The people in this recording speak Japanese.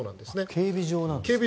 警備上なんですね。